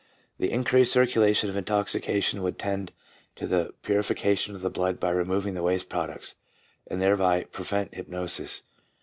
The increased circulation of intoxication would tend to the purification of the blood by removing waste products, and thereby prevent hypnosis.